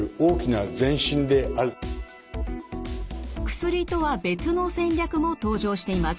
薬とは別の戦略も登場しています。